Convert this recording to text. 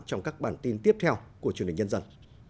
trong các bản tin tiếp theo của truyền hình nhân dân